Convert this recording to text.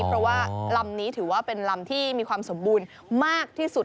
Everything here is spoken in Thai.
เพราะว่าลำนี้ถือว่าเป็นลำที่มีความสมบูรณ์มากที่สุด